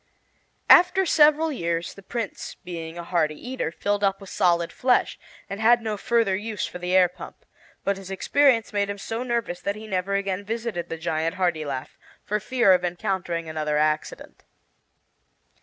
After several years, the Prince, being a hearty eater, filled up with solid flesh, and had no further use for the air pump; but his experience had made him so nervous that he never again visited the giant Hartilaf, for fear of encountering another accident.